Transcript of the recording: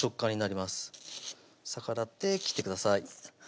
逆らって切ってください